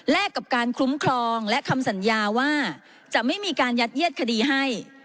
และกับการคุ้มครองและคำสัญญาว่าจะไม่มีการยัดเยียดคดีให้